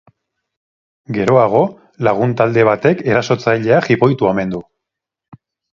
Geroago, lagun talde batek erasotzailea jipoitu omen du.